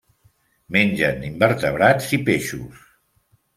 Mengen invertebrats i peixos.